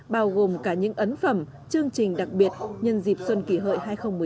bao gồm cả những ấn phẩm chương trình đặc biệt nhân dịp xuân kỷ hợi hai nghìn một mươi chín